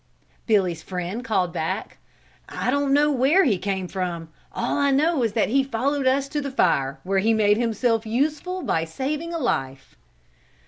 Billy's friend called back: "I don't know where he came from; all I know is that he followed us to the fire, where he made himself useful by saving a life."